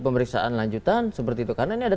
pemeriksaan lanjutan seperti itu karena ini ada